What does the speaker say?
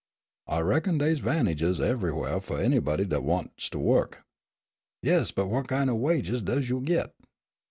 "I reckon dey's 'vantages everywhah fu' anybody dat wants to wu'k." "Yes, but what kin' o' wages does yo' git?